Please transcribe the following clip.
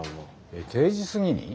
えっ定時過ぎに？